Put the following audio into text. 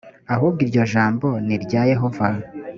ahubwo iryo jambo ni irya yehova